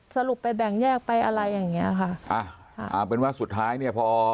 สรุปไปแบ่งแยกไปอะไรอย่างเงี้ยค่ะอ่าเอาเป็นว่าสุดท้ายเนี่ยพอ